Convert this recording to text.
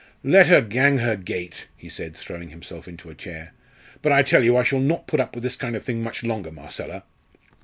"Let her gang her gait," he said, throwing himself into a chair. "But I tell you I shall not put up with this kind of thing much longer, Marcella."